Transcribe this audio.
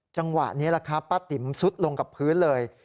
จังหวะนี้แหละครับป้าติ๋มซุดลงกับพื้นเลย